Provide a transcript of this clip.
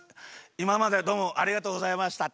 いままでどうもありがとうございました。